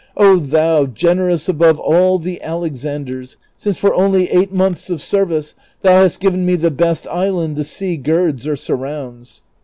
Oh thou, generous above all the Alexanders, since for only eight months of service thou hast given me the best island the sea girds or surrounds